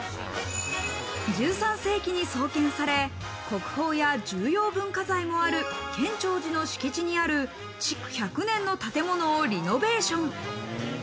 １３世紀に創建され国宝や重要文化財もある建長寺の敷地にある築１００年の建物をリノベーション。